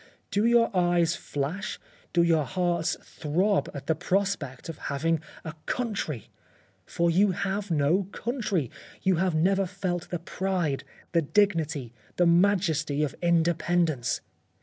Do your eyes flash, do your hearts throb at the prospect of having a country ? For you have had no country. You have never felt the pride, the dignity, the majesty of independence.